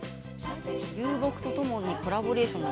流木とともにコラボレーション。